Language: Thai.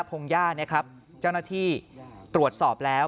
พงหญ้าเนี่ยครับเจ้าหน้าที่ตรวจสอบแล้ว